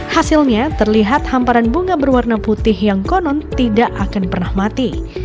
hasilnya terlihat hamparan bunga berwarna putih yang konon tidak akan pernah mati